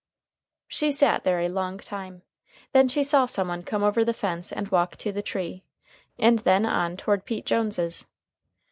She sat there a long time. Then she saw someone come over the fence and walk to the tree, and then on toward Pete Jones's.